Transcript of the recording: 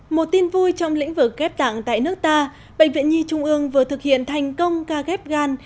một tin vui trong lĩnh vực ghép tạng tại nước ta bệnh viện nhi trung ương vừa thực hiện thành công ca ghép gan